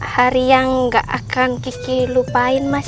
hari yang gak akan kiki lupain mas